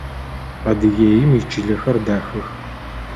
Адыгеим ичылэхэр дахэх.